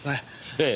ええ。